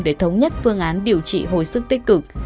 để thống nhất phương án điều trị hồi sức tích cực